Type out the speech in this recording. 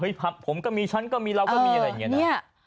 ผมก็มีฉันก็มีเราก็มีอะไรอย่างนี้นะ